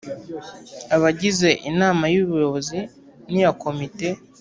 Abagize inama y ubuyobozi n iya komite